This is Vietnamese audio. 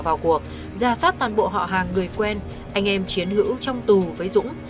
tất cả ba nhà hàng đều bỏ vào cuộc ra sát toàn bộ họ hàng người quen anh em chiến hữu trong tù với dũng